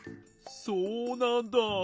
そうなんだ。